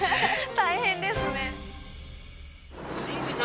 大変ですね。